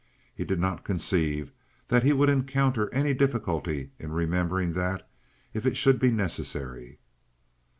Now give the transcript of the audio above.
He did not conceive that he would encounter any difficulty in remembering that if it should be necessary.